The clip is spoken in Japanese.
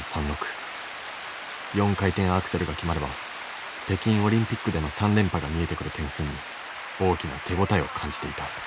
４回転アクセルが決まれば北京オリンピックでの３連覇が見えてくる点数に大きな手応えを感じていた。